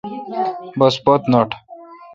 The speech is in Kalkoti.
بس پت نوٹہ۔